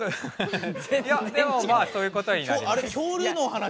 いやでもまあそういうことになります。